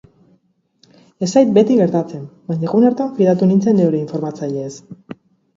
Ez zait beti gertatzen, baina egun hartan fidatu nintzen neure informatzaileez.